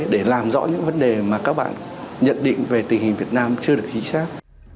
để làm rõ những vấn đề mà các bạn nhận định về tình hình việt nam chưa được chính xác